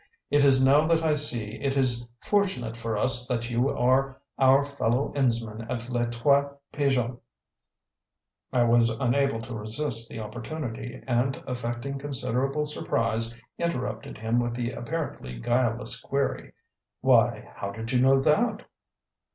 It is now that I see it is fortunate for us that you are our fellow innsman at Les Trois Pigeons." I was unable to resist the opportunity, and, affecting considerable surprise, interrupted him with the apparently guileless query: "Why, how did you know that?"